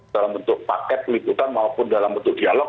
dalam bentuk paket liputan maupun dalam bentuk dialog